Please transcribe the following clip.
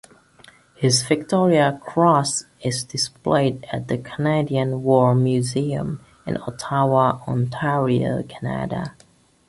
His Victoria Cross is displayed at the Canadian War Museum in Ottawa, Ontario, Canada.